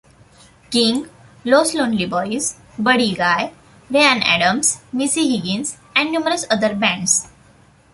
King, Los Lonely Boys, Buddy Guy, Ryan Adams, Missy Higgins and numerous other bands.